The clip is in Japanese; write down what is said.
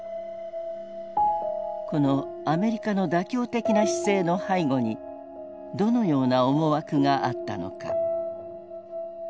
このアメリカの妥協的な姿勢の背後にどのような思惑があったのか。